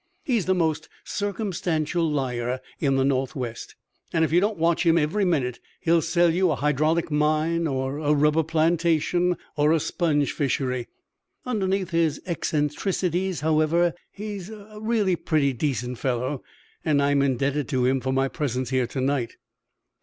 "He is the most circumstantial liar in the Northwest, and if you don't watch him every minute he will sell you a hydraulic mine, or a rubber plantation, or a sponge fishery. Underneath his eccentricities, however, he is really a pretty decent fellow, and I am indebted to him for my presence here to night."